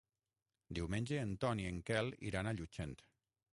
Diumenge en Ton i en Quel iran a Llutxent.